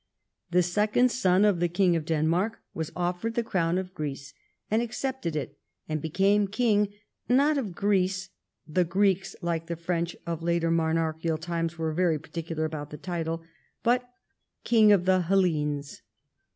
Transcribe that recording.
The second son of the King of Denmark was offered the crown of Greece, and accepted it and became King — not of Greece; the Greeks, like the French of later monarchical times, were very particular about the title — but King of the Hellenes.